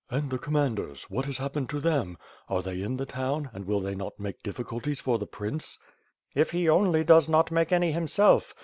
"And the Commanders? What has happened to them? Are they in the town, and will they not make difficulties for the prince?" "If he only does not make any himself!